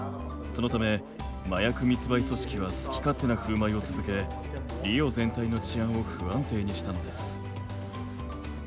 そのため麻薬密売組織は好き勝手なふるまいを続けリオ全体の治安を不安定にしたのです。